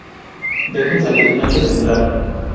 Dejen salir antes de entrar